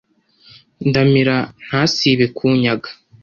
ndamira ntasibe kunyaga,